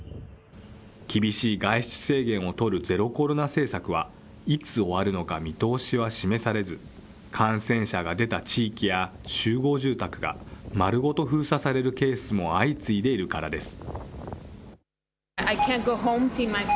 厳しい外出制限を取るゼロコロナ政策は、いつ終わるのか見通しは示されず、感染者が出た地域や集合住宅が丸ごと封鎖されるケースも相次いでいるからです。